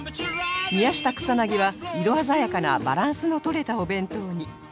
宮下草薙は色鮮やかなバランスの取れたお弁当に